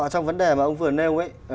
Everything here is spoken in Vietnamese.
trong vấn đề mà ông vừa nêu ấy